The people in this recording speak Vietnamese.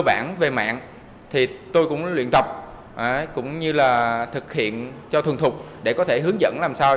bản về mạng thì tôi cũng luyện tập cũng như là thực hiện cho thuần thục để có thể hướng dẫn làm sao